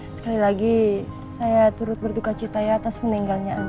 sekali lagi saya turut berduka cita ya atas meninggalnya